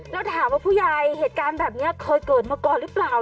แล้วถามว่าผู้ใหญ่เหตุการณ์แบบนี้เคยเกิดมาก่อนหรือเปล่า